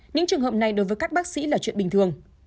những trường hợp này đối với các bác sĩ là chuyện bình thường